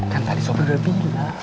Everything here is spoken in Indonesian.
kan tadi sopi lebih